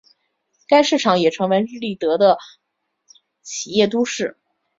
该市场也成为日立的的企业都市。